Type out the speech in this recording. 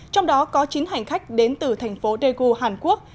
trong đó có chín hành khách đến từ thành phố daegu hàn quốc